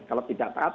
kalau tidak taat